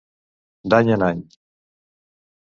D'any en any.